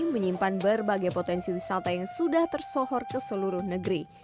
menyimpan berbagai potensi wisata yang sudah tersohor ke seluruh negeri